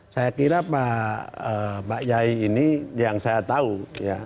saya kira pak yai ini yang saya tahu ya